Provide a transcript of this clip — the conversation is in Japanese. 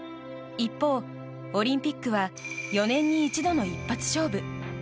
一方、オリンピックは４年に一度の一発勝負。